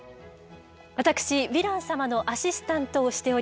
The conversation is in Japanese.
私ヴィラン様のアシスタントをしております